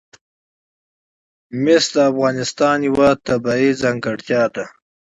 مس د افغانستان یوه طبیعي ځانګړتیا ده.